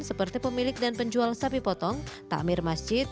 seperti pemilik dan penjual sapi potong takmir masjid